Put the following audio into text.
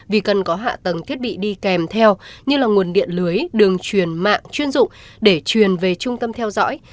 vì cần có hạ tầng thiết bị đi kèm theo như nguồn điện lưới đường truyền mạng chuyên dụng để truyền về trung tâm theo dõi